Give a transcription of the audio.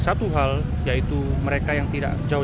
dan untuk mendownload